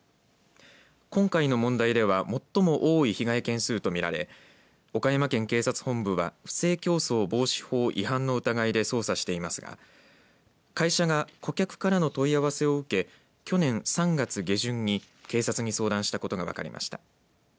今回の問題では最も多い被害件数と見られ岡山県警察本部は不正競争防止法違反の疑いで捜査していますが会社が顧客からの問い合わせを受け去年３月下旬に警察に相談したことが分かりました。